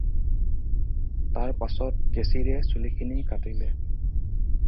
তাৰ পাছত কেচিৰে চুলিখিনি কাটিলে।